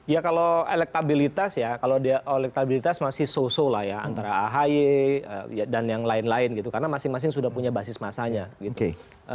ya kalau elektabilitas ya kalau elektabilitas masih so so lah ya antara ahy dan yang lain lain gitu karena masing masing sudah punya basis masanya gitu